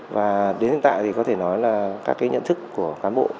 và đến hiện tại thì có thể nói là các cái nhận thức của cán bộ